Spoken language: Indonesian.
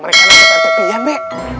mereka yang ke pak rt pian be